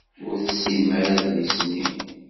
Ur tessinem ara adlis-nni.